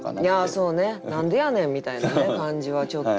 そうね「何でやねん」みたいなね感じはちょっと。